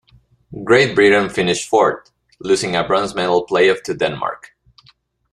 Great Britain finished fourth, losing a bronze medal playoff to Denmark.